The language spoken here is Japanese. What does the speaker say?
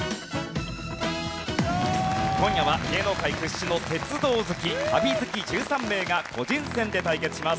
今夜は芸能界屈指の鉄道好き旅好き１３名が個人戦で対決します。